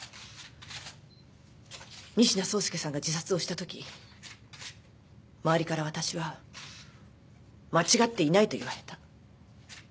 仁科壮介さんが自殺をしたとき周りから私は間違っていないと言われた。